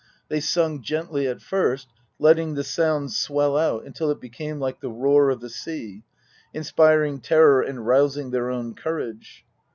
They sung gently at first, letting the sound swell out until it became like the roar of the sea, inspiring terror and rousing their own courage.